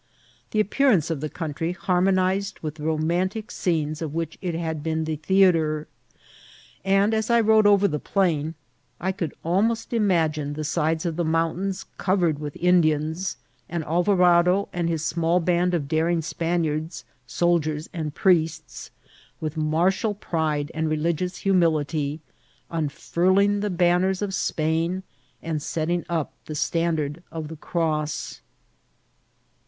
The appearance of the country harmonized with the romantic scenes of which it had been the thea* tre ; and as I rode over the plain I could almost ima ^ gine the sides of the mountains covered with Indians, and Alvarado and his small band of daring Spaniards, soldiers and priests, with martial pride and religious humility, unfurling the banners of Spain and setting up the standard of the cross.